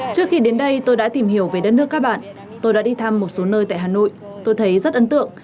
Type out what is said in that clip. trước khi đến đây tôi đã tìm hiểu về đất nước các bạn tôi đã đi thăm một số nơi tại hà nội tôi thấy rất ấn tượng